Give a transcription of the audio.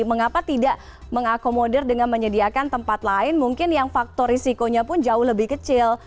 mengapa tidak mengakomodir dengan menyediakan tempat lain mungkin yang faktor risikonya pun jauh lebih kecil